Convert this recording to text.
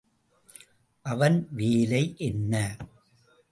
அவன் வேலை என்ன?